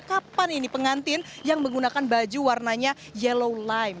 kapan ini pengantin yang menggunakan baju warnanya yellow line